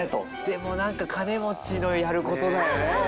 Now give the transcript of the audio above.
でもなんか金持ちのやる事だよね。